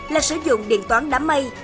là sử dụng điện toán đám mây